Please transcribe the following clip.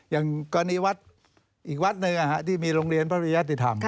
อย่างกรณีวัดอีกวัดหนึ่งที่มีโรงเรียนพระริยติธรรม